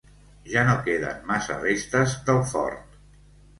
Ja no queden massa restes del fort.